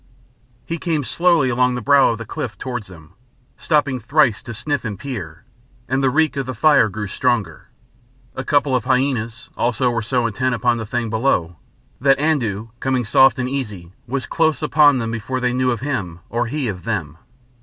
He came slowly along the brow of the cliff towards them, stopping thrice to sniff and peer, and the reek of the fire grew stronger. A couple of hyænas also were so intent upon the thing below that Andoo, coming soft and easy, was close upon them before they knew of him or he of them.